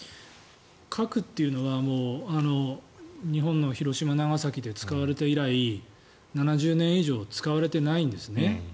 核っていうのは日本の広島、長崎で使われて以来７０年以上使われていないんですね。